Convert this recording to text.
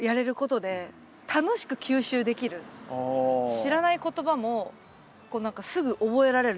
知らない言葉もこう何かすぐ覚えられる。